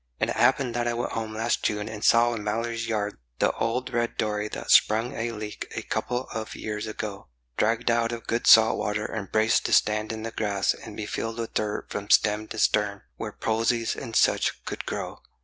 And it happened that I went home last June, and saw in Mallory's yard The old red dory that sprung a leak a couple of years ago, Dragged out of good salt water and braced to stand in the grass And be filled with dirt from stem to stern, where posies and such could grow.